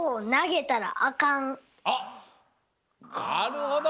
あっなるほど。